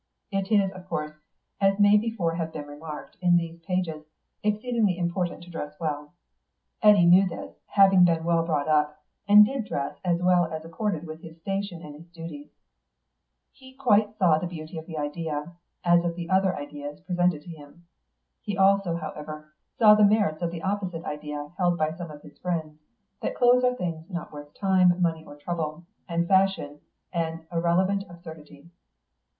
It is, of course, as may before have been remarked in these pages, exceedingly important to dress well. Eddy knew this, having been well brought up, and did dress as well as accorded with his station and his duties. He quite saw the beauty of the idea, as of the other ideas presented to him. He also, however, saw the merits of the opposite idea held by some of his friends, that clothes are things not worth time, money, or trouble, and fashion an irrelevant absurdity.